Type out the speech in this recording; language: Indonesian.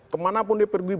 kemana pun dia pergi